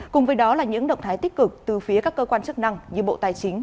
cùng với đó là những động thái tích cực từ phía các cơ quan chức năng như bộ tài chính